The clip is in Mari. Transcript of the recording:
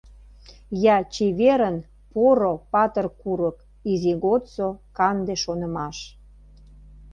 Я, чеверын, поро, патыр курык, Изи годсо канде шонымаш!